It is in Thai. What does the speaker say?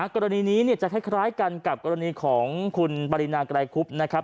กรณีนี้จะคล้ายกันกับกรณีของคุณปรินาไกรคุบนะครับ